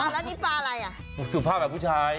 แล้วนี่ปลาอะไรอ่ะสุภาพแบบผู้ชาย